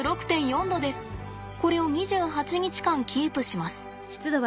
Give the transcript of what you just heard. これを２８日間キープします。